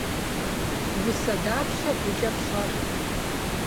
Усэ дапщэ гукӏэ пщӏэр?